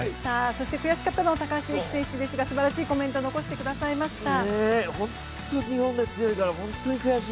そして悔しかったのは高橋英輝選手ですが、すばらしいコメント残してくださいました。